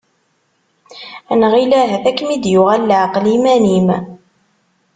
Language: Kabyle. Nɣil ahat ad kem-id-yuɣal leɛqel yiman-im.